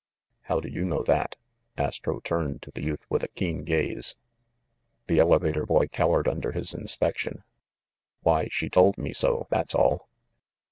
"How do you know that?" Astro turned to the youth with a keen gaze. The elevator boy cowered under his inspection. "Why— she told me so, that's all."